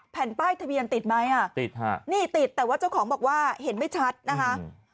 แผ่นป้ายทะเบียนติดไหมอ่ะติดฮะนี่ติดแต่ว่าเจ้าของบอกว่าเห็นไม่ชัดนะคะ